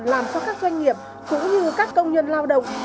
làm cho các doanh nghiệp cũng như các công nhân lao động